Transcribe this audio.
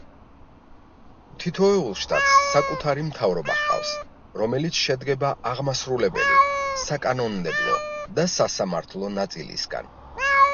თითოეულ შტატს საკუთარი მთავრობა ჰყავს, რომელიც შედგება აღმასრულებელი, საკანონმდებლო და სასამართლო ნაწილისგან.